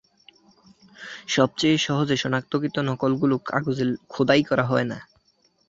সবচেয়ে সহজে সনাক্তকৃত নকলগুলো কাগজে খোদাই করা হয় না।